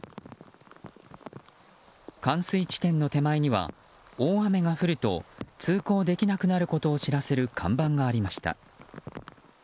冠水地点の手前には大雨が降ると通行できなくなることを知らせる看板がありました。